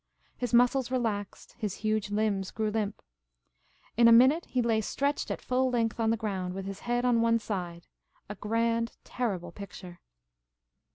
His muscles relaxed ; his huge limbs grew limp. In a minute, he lay stretched at full length on the ground, with his head on one side, a grand, terrible picture.